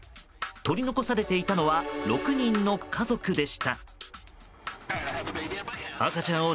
取り残されていたのは６人の家族でした。